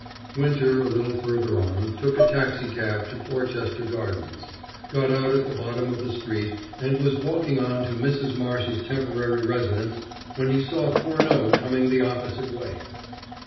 Winter, a little further on, took a taxicab to Porchester Gardens, got out at the bottom of the street, and was walking on to Mrs. Marsh's temporary residence, when he saw Furneaux coming the opposite way.